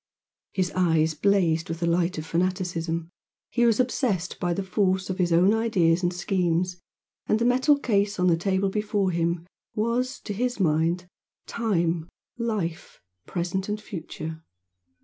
His eyes blazed with the light of fanaticism he was obsessed by the force of his own ideas and schemes, and the metal case on the table before him was, to his mind, time, life, present and future.